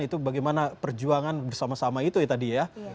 itu bagaimana perjuangan bersama sama itu ya tadi ya